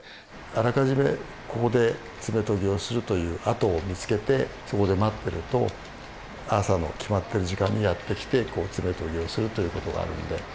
あらかじめここで爪研ぎをするという跡を見つけてそこで待ってると朝の決まってる時間にやって来て爪研ぎをするということがあるんで。